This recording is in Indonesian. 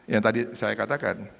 yang tadi saya katakan